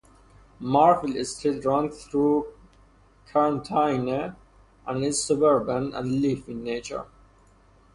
Marfield Street runs through Carntyne and is suburban and leafy in nature.